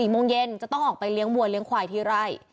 โมงเย็นจะต้องออกไปเลี้ยงวัวเลี้ยควายที่ไร่